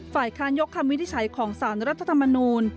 ๓ฝ่ายคานยกคำวิทย์ใช้ของสารรัฐธรรมนูญ